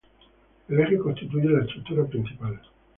El eje constituye la estructura principal.